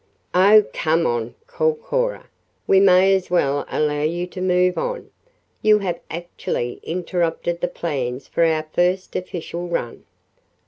"Oh, come on," called Cora. "We may as well allow you to move on. You have actually interrupted the plans for our first official run.'